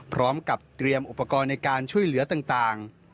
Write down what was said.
พร้อมกับเตรียมอุปกรณ์ในการช่วยเหลือต่าง